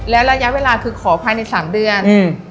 แล้วระยะเวลาคือขอภายใน๓เดือน